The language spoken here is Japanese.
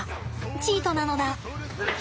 チートなのだ。